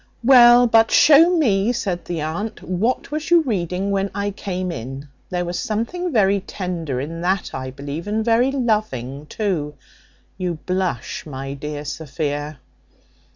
"Well, but show me," said the aunt, "what was you reading when I came in; there was something very tender in that, I believe, and very loving too. You blush, my dear Sophia.